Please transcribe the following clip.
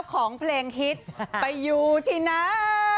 ของเพลงฮิตไปอยู่ที่ไหน